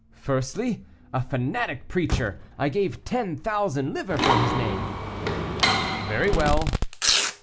"Firstly, a fanatic preacher; I gave ten thousand livres for his name." "Very well."